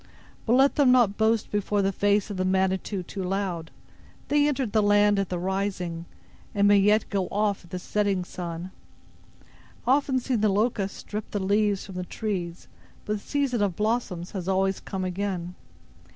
But let them not boast before the face of the Manitou too loud. They entered the land at the rising, and may yet go off at the setting sun. I have often seen the locusts strip the leaves from the trees, but the season of blossoms has always come again."